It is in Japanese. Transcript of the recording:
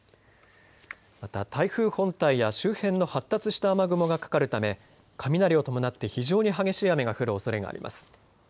また台風本体や周辺の発達した雨雲がかかるため雷を伴って非常に激しい雨が降るおそれがあります。